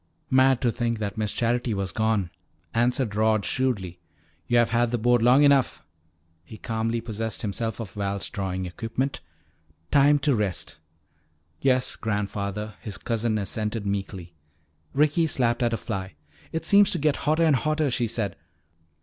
"Mad to think that Miss Charity was gone," answered Rod shrewdly. "Yo've had that board long enough." He calmly possessed himself of Val's drawing equipment. "Time to rest." "Yes, grandfather," his cousin assented meekly. Ricky slapped at a fly. "It seems to get hotter and hotter," she said.